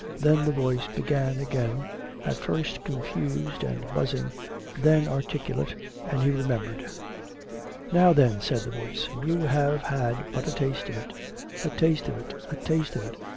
Then the voice began again, at first confused and buzzing, then articulate; and he remembered. " Now, then," said the voice, " you have had but a taste of it. ..."(" A taste of it; a taste of it."